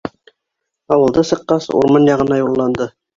Ауылды сыҡҡас, урман яғына юлланды.